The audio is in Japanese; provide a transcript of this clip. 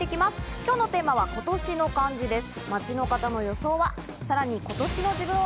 今日のテーマは「今年の漢字」です。